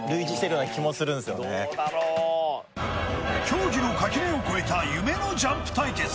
競技の垣根を越えた夢のジャンプ対決